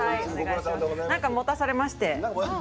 なんか持たされまして。